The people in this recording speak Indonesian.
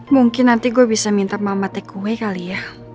mungkin nanti gue bisa minta mama take kue kali ya